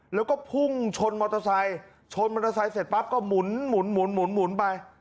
แล้วก็พุ่งชนมอเตอร์ไซค์ชนมอเตอร์ไซค์เสร็จปั๊บก็หมุนไป